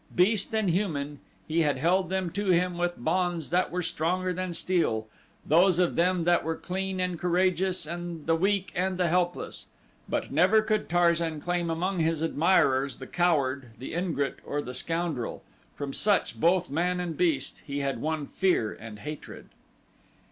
Beast and human, he had held them to him with bonds that were stronger than steel those of them that were clean and courageous, and the weak and the helpless; but never could Tarzan claim among his admirers the coward, the ingrate or the scoundrel; from such, both man and beast, he had won fear and hatred.